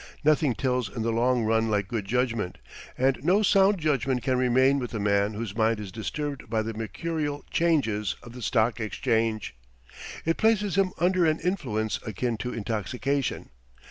Nothing tells in the long run like good judgment, and no sound judgment can remain with the man whose mind is disturbed by the mercurial changes of the Stock Exchange. It places him under an influence akin to intoxication.